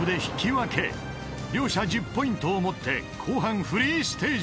［両者１０ポイントを持って後半フリーステージへ］